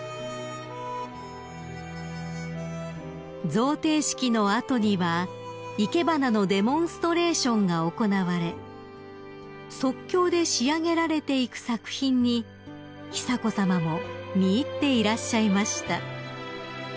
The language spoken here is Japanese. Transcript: ［贈呈式の後には生け花のデモンストレーションが行われ即興で仕上げられていく作品に久子さまも見入っていらっしゃいました］